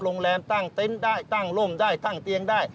โรงแรมตั้งเต็นต์ได้ตั้งร่มได้ตั้งเตียงได้